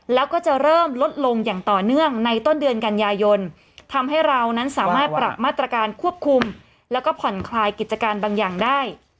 แล้วก็จะเริ่มลดลงอย่างต่อเนื่องในต้นเดือนกันยายนทำให้เรานั้นสามารถปรับมาตรการควบคุมแล้วก็ผ่อนคลายกิจการบางอย่างได้